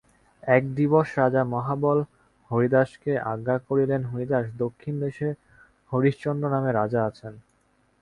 এক দিবস রাজা মহাবল হরিদাসকে আজ্ঞা করিলেন হরিদাস দক্ষিণ দেশে হরিশ্চন্দ্র নামে রাজা আছেন।